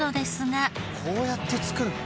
こうやって作るんだ。